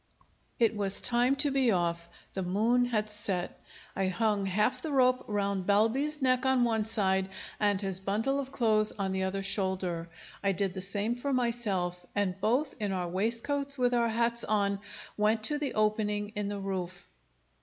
It was time to be off. The moon had set. I hung half the rope round Balbi's neck on one side and his bundle of clothes on the other shoulder. I did the same for myself; and both, in our waistcoats with our hats on, went to the opening in the roof.